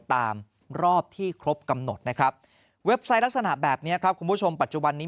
ตามรอบที่ครบกำหนดนะครับเว็บไซต์ลักษณะแบบนี้ครับคุณผู้ชมปัจจุบันนี้